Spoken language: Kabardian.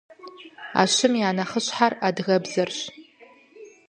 А щым я нэхъыщхьэр адыгэбзэрщ.